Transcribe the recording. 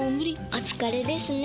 お疲れですね。